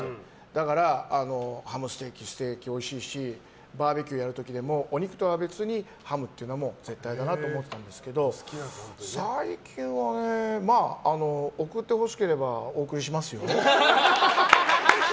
だからハムステーキおいしいし、バーベキューの時もお肉とは別にハムっていうのも贅沢かなと思ってたんですけど最近は贈ってほしければお贈りしますよ。